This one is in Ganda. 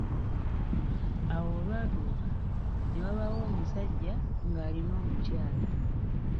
Awo olwatuuka, ne wabaaawo omusajja nga alina omukyala.